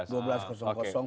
batas waktu jam dua belas